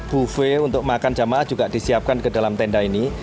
buffe untuk makan jamaah juga disiapkan ke dalam tenda ini